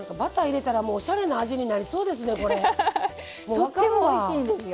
とってもおいしいんですよ。